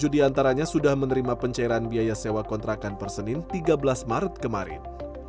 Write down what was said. satu ratus dua puluh tujuh diantaranya sudah menerima pencairan biaya sewa kontrakan persenin tiga belas maret kemarin